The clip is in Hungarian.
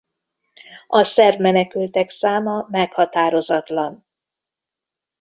A szerb menekültek száma meghatározatlan.